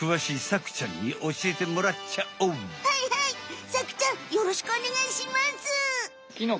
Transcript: サクちゃんよろしくおねがいします。